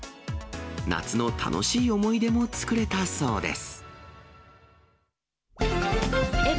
夏の楽しい思い出も作れたそうです。